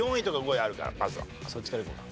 そっちからいこうか。